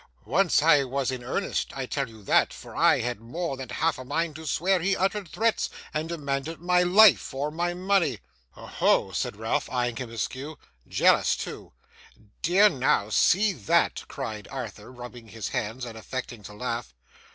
'Once I was in earnest, I tell you that, for I had more than half a mind to swear he uttered threats, and demanded my life or my money.' 'Oho!' said Ralph, eyeing him askew. 'Jealous too!' 'Dear now, see that!' cried Arthur, rubbing his hands and affecting to laugh.